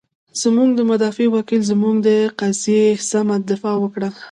زمونږ مدافع وکیل، زمونږ د قضیې سمه دفاع وکړه.